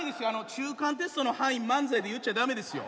中間テストの範囲漫才で言っちゃ駄目ですよ。